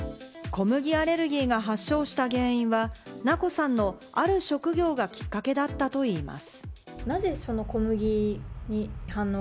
小麦アレルギーが発症した原因は、ｎａｃｏさんのある職業がきっかけだったといいます。